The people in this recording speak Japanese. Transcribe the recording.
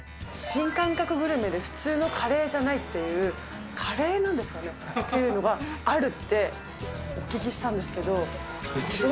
新感覚グルメで普通のカレーじゃないっていう、カレーなんですかねというのがあるってお聞きしたんですけど。